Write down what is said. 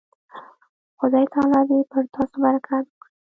خدای تعالی دې پر تاسو برکت وکړي.